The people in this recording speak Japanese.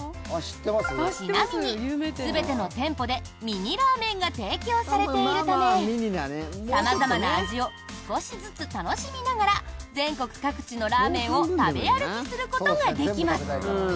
ちなみに、全ての店舗でミニラーメンが提供されているため様々な味を少しずつ楽しみながら全国各地のラーメンを食べ歩きすることができます。